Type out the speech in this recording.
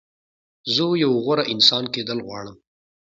زه یو غوره انسان کېدل غواړم.